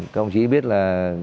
các đồng chí biết là